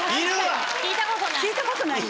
聞いたことない。